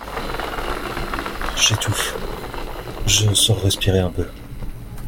J'étouffe, je sors respirer un peu.